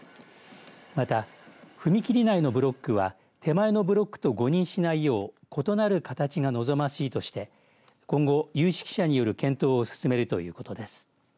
また、踏切内のブロックは手前のブロックと誤認しないよう異なる形が望ましいとして今後、有識者による検討を進めるということです。